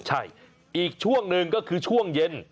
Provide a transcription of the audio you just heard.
ใช่อีกช่วงหนึ่งก็คือช่วงเย็น